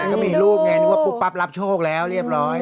ก็มีรูปไงนึกว่าปุ๊บปั๊บรับโชคแล้วเรียบร้อย